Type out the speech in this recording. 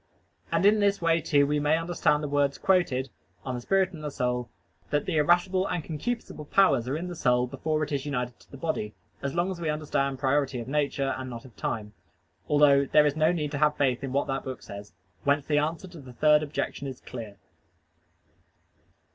And in this way, too, we may understand the words quoted (De Spiritu et Anima); that the irascible and concupiscible powers are in the soul before it is united to the body (as long as we understand priority of nature, and not of time), although there is no need to have faith in what that book says. Whence the answer to the third objection is clear.